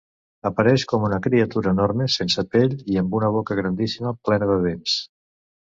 Apareix com una criatura enorme, sense pell i amb una boca grandíssima plena de dents.